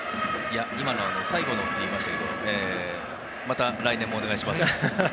今、最後のって言いましたけどまた来年もお願いします。